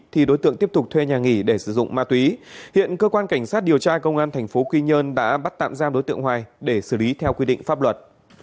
thì đối tượng tiếp tục thuê nhà nghỉ để sử dụng ma túy hiện cơ quan cảnh sát điều tra công an thành phố quy nhơn đã bắt tạm giam đối tượng hoài để xử lý theo quy định pháp luật